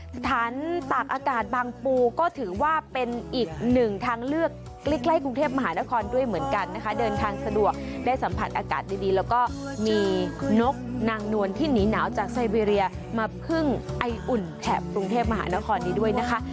สถานตากอากาศบางปูก็ถือว่าเป็นอีกหนึ่งทางเลือกใกล้กรุงเทพมหานครด้วยเหมือนกันนะคะเดินทางสะดวกได้สัมผัสอากาศดีแล้วก็มีนกนางนวลที่หนีหนาวจากไซเบรียมาพึ่งไออุ่นแถบกรุงเทพมหานครนี้ด้วยนะคะ